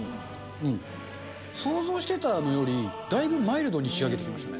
想像してたのよりだいぶマイルドに仕上げてきましたね。